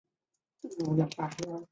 你首先成功粉碎了周政变的阴谋。